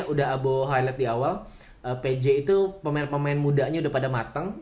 udah abo highlight di awal pj itu pemain pemain mudanya udah pada mateng